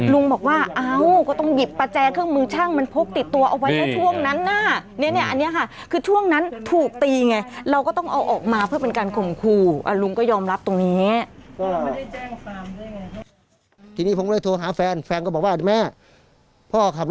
ลุงบอกว่าเอ้าก็ต้องหยิบประแจเครื่องมือช่างมันพกติดตัวเอาไว้ช่วงนั้นน่ะ